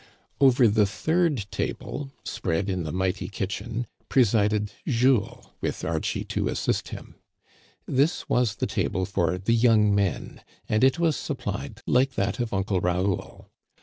Over the third table, spread in the mighty kitchen, presided Jules, with Archie to assist him. This was the table for the young men, and it was supplied like that of Uncle Raoul.